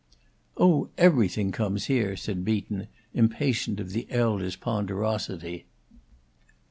"Oh, everything comes here," said Beaton, impatient of the elder's ponderosity.